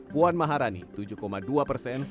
puan maharani tujuh dua persen